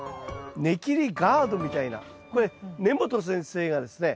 ネキリガードみたいなこれ根本先生がですね